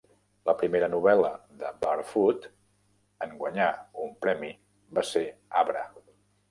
La primera novel·la de Barfoot en guanyar un premi va ser "Abra".